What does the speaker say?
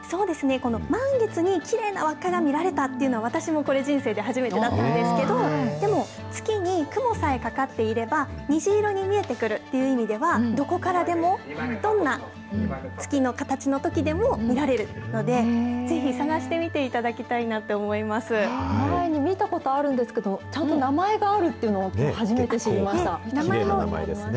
この満月にきれいな輪っかが見られたというのは、私もこれ、人生で初めてだったんですけど、でも、月に雲さえかかっていれば、虹色に見えてくるという意味では、どこからでも、どんな月の形のときでも見られるので、ぜひ探してみていただきたい前に見たことあるんですけど、ちゃんと名前があるっていうのは、初めて知りました。